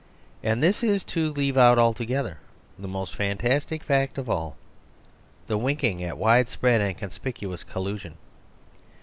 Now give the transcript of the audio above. And this is to leave out altogether the most fantas tic fact of all: the winking at widespread and conspicuous collusion.